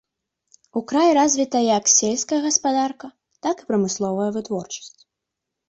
У краі развіта як сельская гаспадарка, так і прамысловая вытворчасць.